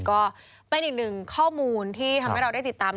ก็เป็นอีกหนึ่งข้อมูลที่ทำให้เราได้ติดตาม